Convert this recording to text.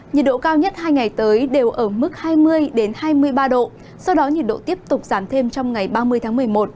nhiệt độ cao nhất hai ngày tới đều ở mức hai mươi hai mươi ba độ sau đó nhiệt độ tiếp tục giảm thêm trong ngày ba mươi tháng một mươi một